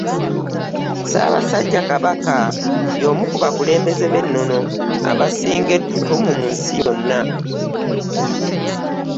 Ssaabasajja Kabaka y'omu ku bakulembeze b'ennono abasinga ettutumu mu nsi yonna.